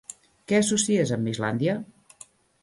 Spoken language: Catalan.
Què associes amb Islàndia?